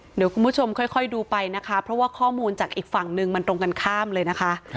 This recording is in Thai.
เดี๋ยวคุณผู้ชมค่อยดูไปนะคะเพราะว่าข้อมูลจากอีกฝั่งนึงมันตรงกันข้ามเลยนะคะ